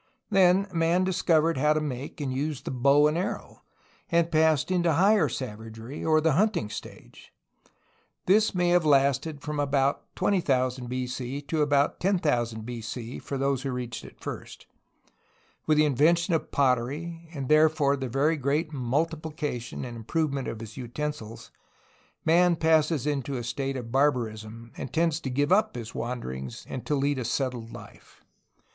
Then man discovered how to make and use the bow and arrow, and passed into higher savagery, or the hunting stage. This may have lasted from about 20,000 B.C. to about 10,000 B. C. for those who reached it first. With the invention of pottery and therefore the very great multipli cation and improvement of his utensils, man passes into a state of barbarism, and tends to give up his wanderings and to lead a settled life.